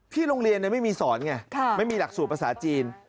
โรงเรียนไม่มีสอนไงไม่มีหลักสูตรภาษาจีน